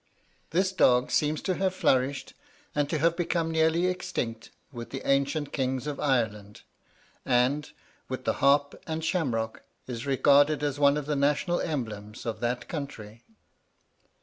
This dog seems to have flourished, and to have become nearly extinct, with the ancient kings of Ireland, and, with the harp and shamrock, is regarded as one of the national emblems of that country.